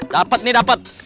dapet nih dapet